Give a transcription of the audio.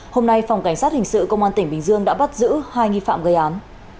hôm nay phòng cảnh sát hình sự công an tỉnh bình dương đã bắt giữ hai nghi phạm gây án